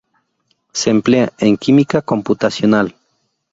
Se emplea en química computacional.